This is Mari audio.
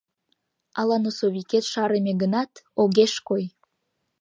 Ала носовикет шарыме гынат, огеш кой.